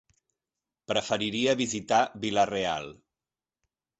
Preferiria visitar Vila-real.